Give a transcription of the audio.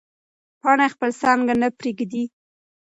پاڼه خپله څانګه نه پرېږدي.